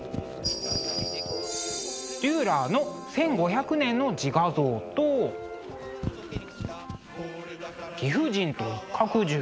デューラーの「１５００年の自画像」と「貴婦人と一角獣」。